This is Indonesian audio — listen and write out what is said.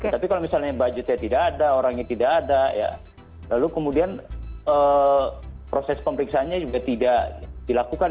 tapi kalau misalnya budgetnya tidak ada orangnya tidak ada ya lalu kemudian proses pemeriksaannya juga tidak dilakukan